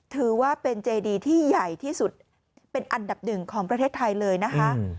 ถือว่าเป็นเจดีที่ใหญ่ที่สุดเป็นอันดับหนึ่งของประเทศไทยเลยนะคะ